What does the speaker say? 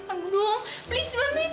aduh please bantuin bantuin